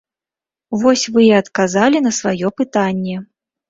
Вось вы і адказалі на сваё пытанне.